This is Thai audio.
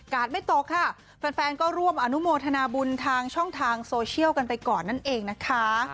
ไม่ตกค่ะแฟนก็ร่วมอนุโมทนาบุญทางช่องทางโซเชียลกันไปก่อนนั่นเองนะคะ